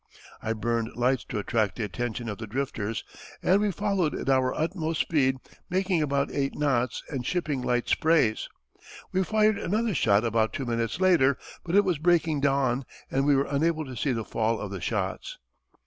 I burned lights to attract the attention of the drifters, and we followed at our utmost speed, making about eight knots and shipping light sprays. We fired another shot about two minutes later, but it was breaking dawn, and we were unable to see the fall of the shots.